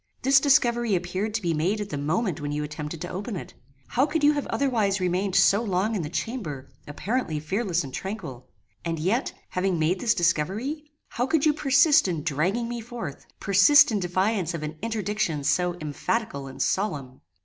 This discovery appeared to be made at the moment when you attempted to open it. How could you have otherwise remained so long in the chamber apparently fearless and tranquil? And yet, having made this discovery, how could you persist in dragging me forth: persist in defiance of an interdiction so emphatical and solemn?